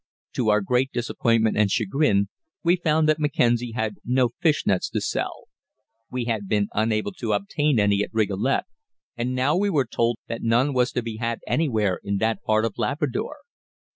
To our great disappointment and chagrin, we found that Mackenzie had no fish nets to sell. We had been unable to obtain any at Rigolet, and now we were told that none was to be had anywhere in that part of Labrador.